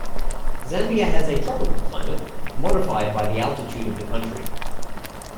Zambia has a tropical climate, modified by the altitude of the country.